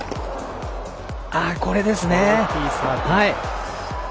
これですね！